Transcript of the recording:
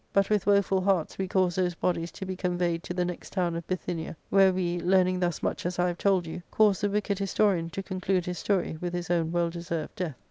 But with woeful hearts we caused those bodies to be conveyed to the next town of Bithynia, where we, learning thus much as I have told you, caused the wicked historian to conclude his story with his ow;i well deserved death.